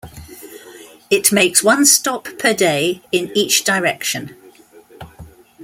It makes one stop per day in each direction.